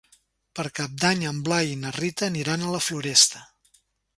Per Cap d'Any en Blai i na Rita aniran a la Floresta.